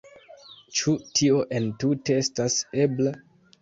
Ĉu tio entute estas ebla?